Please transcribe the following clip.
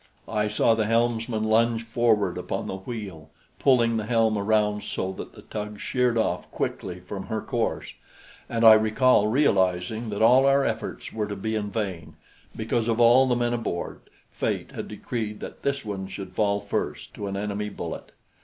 I saw the helmsman lunge forward upon the wheel, pulling the helm around so that the tug sheered off quickly from her course, and I recall realizing that all our efforts were to be in vain, because of all the men aboard, Fate had decreed that this one should fall first to an enemy bullet.